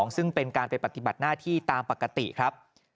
ซึ่งเป็นการไปปฏิบัติหน้าที่ตามปกติครับ